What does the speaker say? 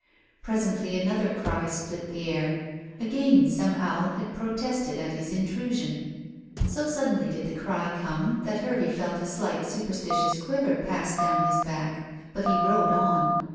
Presently another cry split the air. Again some owl had protested at his intrusion. So suddenly did the cry come that Hervey felt a slight superstitious quiver pass down his back, but he rode on.